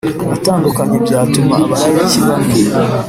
atandukanye, byatumye abalayiki bamwe